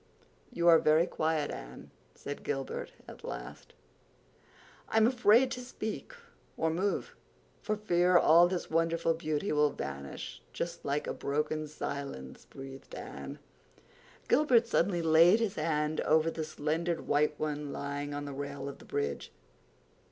"You are very quiet, Anne," said Gilbert at last. "I'm afraid to speak or move for fear all this wonderful beauty will vanish just like a broken silence," breathed Anne. Gilbert suddenly laid his hand over the slender white one lying on the rail of the bridge.